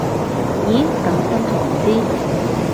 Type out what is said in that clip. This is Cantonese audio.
咦噉真係唔知